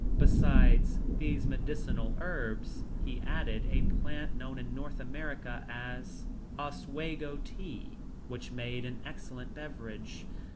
Besides these medicinal herbs, he added a plant known in North America as "Oswego tea," which made an excellent beverage.